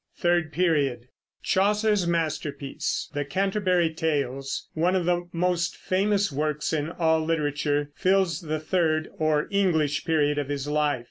THIRD PERIOD. Chaucer's masterpiece, the Canterbury Tales, one of the most famous works in all literature, fills the third or English period of his life.